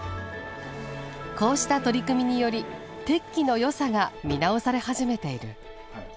こうした取り組みにより鉄器のよさが見直され始めている。